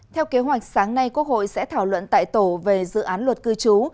theo kế hoạch sáng nay quốc hội sẽ thảo luận tại tổ về dự án luật cư trú